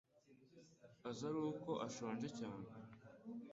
aza aruko ashonje cyane